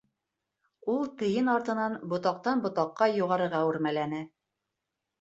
Ул тейен артынан ботаҡтан ботаҡҡа юғарыға үрмәләне.